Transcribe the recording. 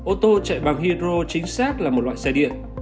ô tô chạy bằng hydro chính xác là một loại xe điện